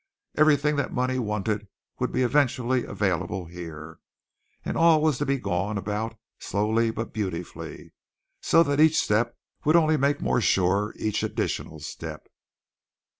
Everything that money wanted was to be eventually available here, and all was to be gone about slowly but beautifully, so that each step would only make more sure each additional step.